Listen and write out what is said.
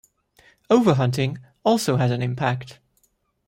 Overhunting also has an impact.